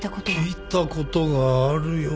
聞いたことがあるような。